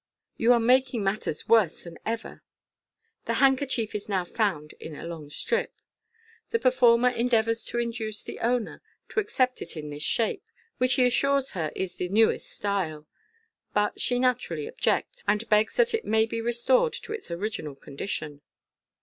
You are making matters worse than ever." The handkerchief is now found in a long strip. The performer endeavours to induce the owner to accept it in this shape, which he assures her is the newest style but she naturally objects, and begs that it may be restored to its original condition.